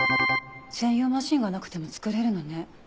専用マシンがなくても作れるのね。